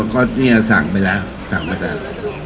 ก็นี้สั่งไปแล้วสั่งไปเลย